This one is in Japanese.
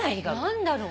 何だろうね。